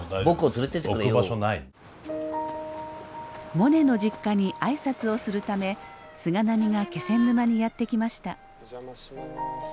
モネの実家に挨拶をするため菅波が気仙沼にやって来ました。